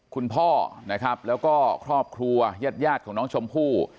คุณพ่อนะครับแล้วก็ครอบครัวยาดของน้องชมพู่